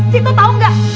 situ tau nggak